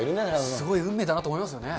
すごい運命だなと思います。